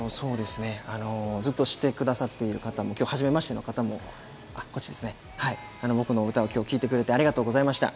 ずっと知っていてくださる方にも、はじめましての皆さんにも、僕の歌を今日聴いてくれて、ありがとうございました。